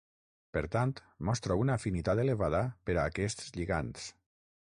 Per tant, mostra una afinitat elevada per a aquests lligands.